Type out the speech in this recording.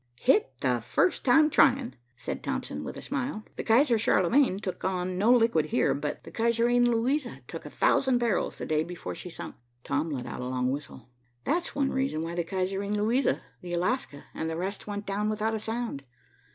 "Hit it first time trying," said Thompson, with a smile. "The Kaiser Charlemagne took on no liquid here, but the Kaiserin Luisa took a thousand barrels the day before she sunk." Tom let out a long whistle. "That's one reason why the Kaiserin Luisa, the Alaska, and the rest went down without a sound.